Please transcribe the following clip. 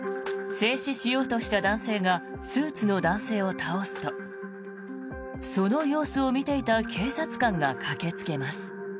制止しようとした男性がスーツの男性を倒すとその様子を見ていた警察官が駆けつけます。